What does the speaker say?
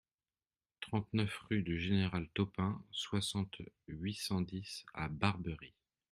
trente-neuf rue du Général Taupin, soixante, huit cent dix à Barbery